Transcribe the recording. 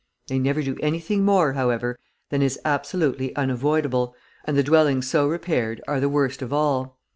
They never do anything more, however, than is absolutely unavoidable, and the dwellings so repaired are the worst of all.